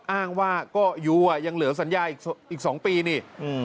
อ้างว่าก็ยูอ่ะยังเหลือสัญญาอีก๒ปีนี่